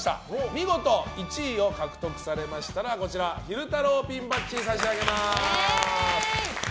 見事、１位を獲得されましたら昼太郎ピンバッジを差し上げます。